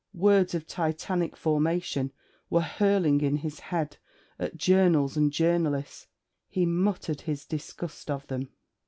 Words of Titanic formation were hurling in his head at journals and journalists. He muttered his disgust of them.